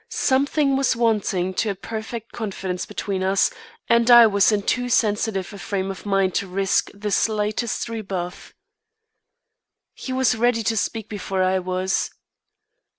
Something was wanting to a perfect confidence between us, and I was in too sensitive a frame of mind to risk the slightest rebuff. He was ready to speak before I was.